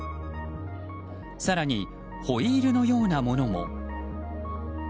更にホイールのようのものも。